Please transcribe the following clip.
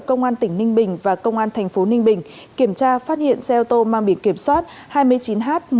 công an tỉnh ninh bình và công an thành phố ninh bình kiểm tra phát hiện xe ô tô mang biển kiểm soát hai mươi chín h một mươi nghìn bảy trăm bốn mươi sáu